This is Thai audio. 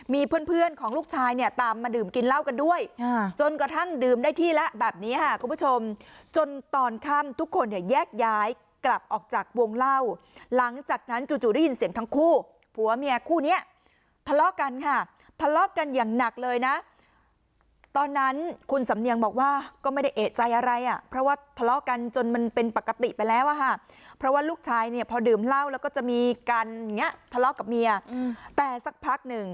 มีเพื่อนเพื่อนของลูกชายเนี่ยตามมาดื่มกินเหล้ากันด้วยจนกระทั่งดื่มได้ที่แล้วแบบเนี้ยค่ะคุณผู้ชมจนตอนค่ำทุกคนเนี่ยแยกย้ายกลับออกจากวงเหล้าหลังจากนั้นจู่จู่ได้ยินเสียงทั้งคู่ผัวเมียคู่เนี้ยทะเลาะกันค่ะทะเลาะกันอย่างหนักเลยนะตอนนั้นคุณสำเนียงบอกว่าก็ไม่ได้เอกใจอะไรอ่ะเพราะว่าทะเลาะกัน